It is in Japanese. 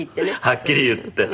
はっきり言って。